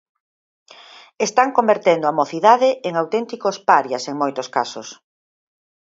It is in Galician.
Están convertendo a mocidade en auténticos parias en moitos casos.